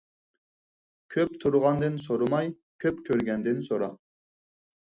كۆپ تۇرغاندىن سورىماي، كۆپ كۆرگەندىن سورا.